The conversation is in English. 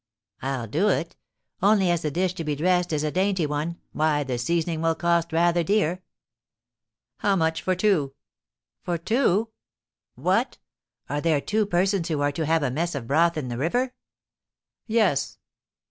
I'll do it; only, as the dish to be dressed is a dainty one, why, the seasoning will cost rather dear.' 'How much for two?' 'For two? What! are there two persons who are to have a mess of broth in the river?' 'Yes.'